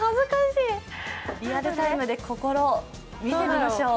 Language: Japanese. リアルタイムで心見てみましょう。